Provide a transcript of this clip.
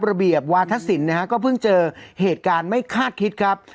ระเบียบวาธศิลปนะฮะก็เพิ่งเจอเหตุการณ์ไม่คาดคิดครับ